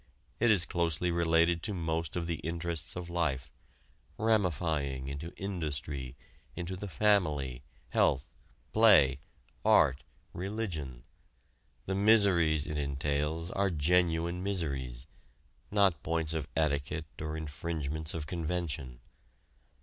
It is closely related to most of the interests of life ramifying into industry, into the family, health, play, art, religion. The miseries it entails are genuine miseries not points of etiquette or infringements of convention.